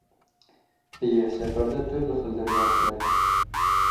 — Эйе, сәфәрҙә төрлө хәлдәргә осрайһың.